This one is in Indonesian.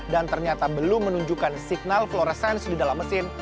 dan ternyata belum menunjukkan signal fluorescence di dalam mesin